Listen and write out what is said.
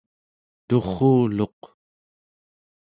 turruluq